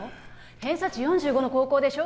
偏差値４５の高校でしょ